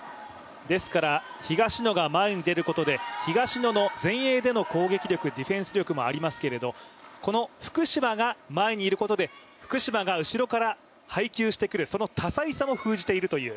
ですから東野が前に出ることで東野の前衛での攻撃力ディフェンス力もありますけどこの福島が前にいることで福島が後ろから配球してくるその多彩さも封じているという。